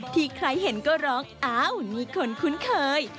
ที่ใครเห็นก็ร้องอ้าวมีคนคุ้นเคย